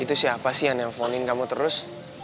itu siapa sih yang nelfonin kamu terus